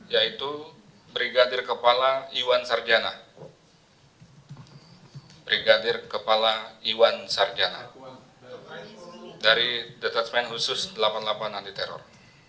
yaitu brigadir kepala iwan sarjana brigadir kepala iwan sarjana dari detesmen khusus delapan puluh delapan anti teror